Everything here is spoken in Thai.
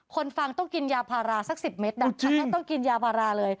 ฟังต้องกินยาพาราสัก๑๐เมตรต้องกินยาพาราเลย